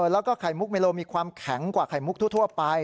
แล้วก็ไข่มุกเมโลมีความแข็งกว่าไข่มุกทั่วไป